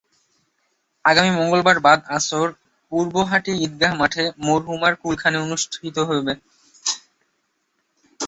আগামী মঙ্গলবার বাদ আসর পূর্বহাটি ঈদগাহ মাঠে মরহুমার কুলখানি অনুষ্ঠিত হবে।